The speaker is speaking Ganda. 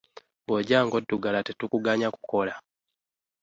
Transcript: Bw'ojja ng'oddugala tetukuganya kukola.